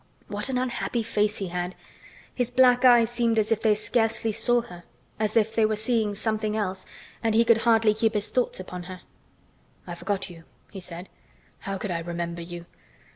What an unhappy face he had! His black eyes seemed as if they scarcely saw her, as if they were seeing something else, and he could hardly keep his thoughts upon her. "I forgot you," he said. "How could I remember you?